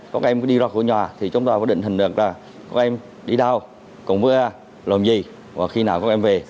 các em đi ra khỏi nhà thì chúng ta phải định hình được là các em đi đâu cùng với lòng gì và khi nào các em về